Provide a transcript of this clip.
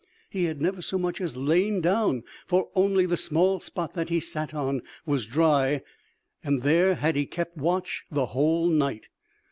He had never so much as lain down; for only the small spot that he sat on was dry, and there had he kept watch the whole night.